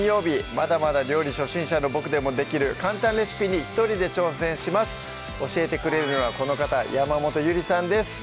まだまだ料理初心者のボクでもできる簡単レシピに一人で挑戦します教えてくれるのはこの方山本ゆりさんです